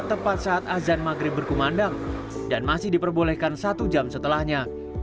tepat saat azan maghrib berkumandang dan masih diperbolehkan satu jam setelahnya